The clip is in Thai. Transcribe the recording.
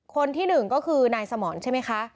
คนที่หนึ่งก็คือนายสมรใช่ไหมคะ